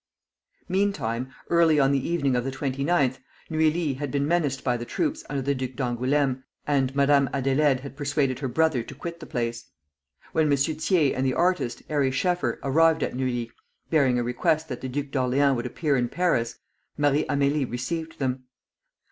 Meantime, early on the evening of the 29th, Neuilly had been menaced by the troops under the Duc d'Angoulême, and Madame Adélaïde had persuaded her brother to quit the place. When M. Thiers and the artist, Ary Scheffer, arrived at Neuilly, bearing a request that the Duke of Orleans would appear in Paris, Marie Amélie received them.